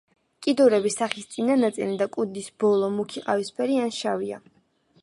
კიდურები, სახის წინა ნაწილი და კუდის ბოლო მუქი ყავისფერი ან შავია.